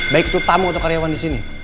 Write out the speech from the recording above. baik itu tamu atau karyawan disini